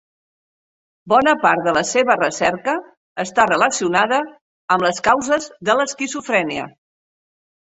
Bona part de la seva recerca està relacionada amb les causes de l'esquizofrènia.